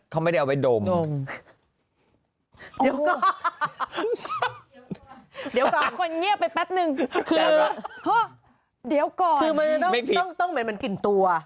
คือเฮ๊า